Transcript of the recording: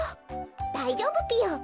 だいじょうぶぴよ。